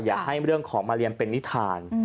อยากให้เรื่องของมาเรียมเป็นนิทาน